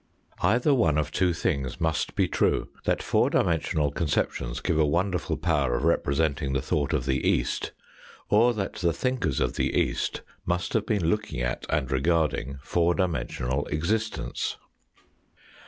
Either one of two things must be true that four dimensional concep tions give a wonderful power of representing the thought of the East, or that the thinkers of the East must have been looking at and regarding four dimensional existence.